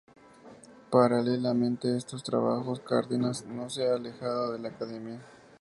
Paralelamente a estos trabajos, Cárdenas no se ha alejado de la academia.